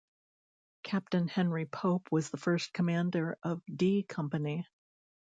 Captain Henry Pope was the first commander of D Company.